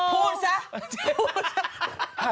พูดสิ